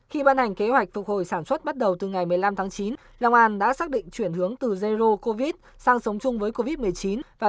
khi ban hành kế hoạch phục hồi sản xuất bắt đầu từ ngày một mươi năm tháng chín long an đã xác định chuyển hướng từ jero covid sang sống chung với covid một mươi chín và